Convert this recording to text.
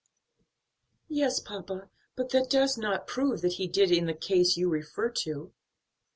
"Yes, papa; but that does not prove that he did in the case you refer to."